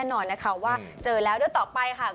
ต้องใช้ใจฟัง